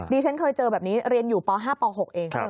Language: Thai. ฉันเคยเจอแบบนี้เรียนอยู่ป๕ป๖เอง